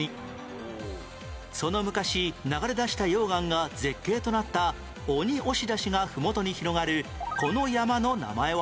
その昔流れ出した溶岩が絶景となった鬼押出しがふもとに広がるこの山の名前は？